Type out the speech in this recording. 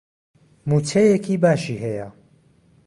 مووچەیەکی باشی هەیە.